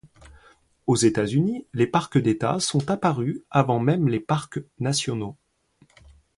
Aux États-Unis, les parcs d'États sont apparus avant même les parcs nationaux.